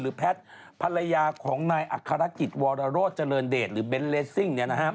หรือแพทน์ภรรยาของนายอัฆราจิตวอรโรธเจริญเดชหรือเบนเลสซิ่ง